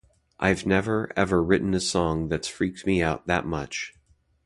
I've never, ever written a song that's freaked me out that much.